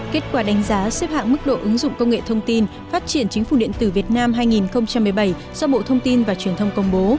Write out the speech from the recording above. kết quả đánh giá xếp hạng mức độ ứng dụng công nghệ thông tin phát triển chính phủ điện tử việt nam hai nghìn một mươi bảy do bộ thông tin và truyền thông công bố